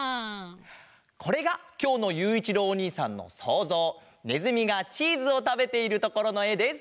これがきょうのゆういちろうおにいさんのそうぞうネズミがチーズをたべているところのえです。